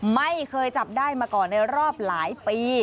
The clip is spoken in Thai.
ไม่เคยจับได้มาก่อนในรอบหลายปี